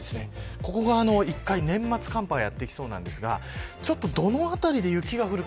ここが１回、年末寒波がやってきそうなんですがちょっとどの辺りで雪が降るか